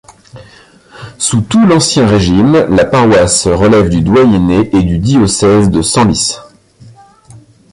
Sous tout l'Ancien Régime, la paroisse relève du doyenné et du diocèse de Senlis.